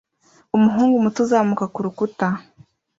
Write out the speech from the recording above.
umuhungu muto uzamuka kurukuta